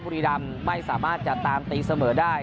บุรีรำไม่สามารถจะตามตีเสมอได้